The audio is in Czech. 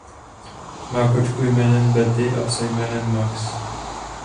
Má kočku jménem Betty a psa jménem Max.